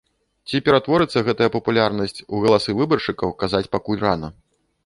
Ці ператворыцца гэтая папулярнасць у галасы выбаршчыкаў казаць пакуль рана.